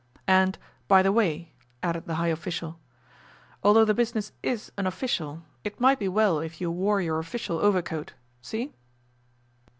'And, by the way,' added the high official, 'although the business is unofficial, it might be well if you wore your official overcoat. See?